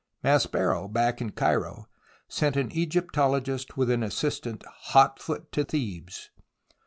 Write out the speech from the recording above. Maspero, back in Cairo, sent an Egyptologist with an assistant hot foot to Thebes.